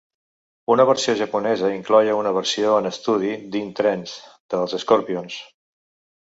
Una versió japonesa incloïa una versió en estudi d'"In Trance", dels Scorpions.